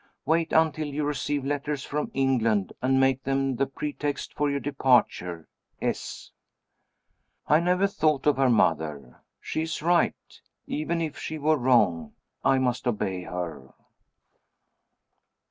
Wait until you receive letters from England, and make them the pretext for your departure. S." I never thought of her mother. She is right. Even if she were wrong, I must obey her.